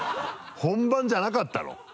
本番じゃなかったの？